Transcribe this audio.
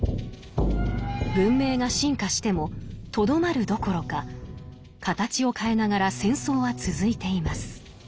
文明が進化してもとどまるどころか形を変えながら戦争は続いています。